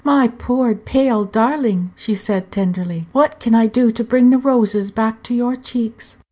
"My poor, pale darling," she said, tenderly, "what can I do to bring the roses back to your cheeks?"